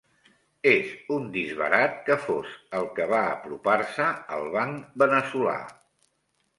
És un disbarat que fos el que va apropar-se al banc veneçolà.